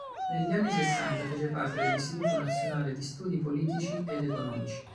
Negli anni sessanta fece parte dell'Istituto nazionale di studi politici ed economici.